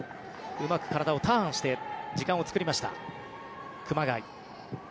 うまく体をターンして時間を作りました。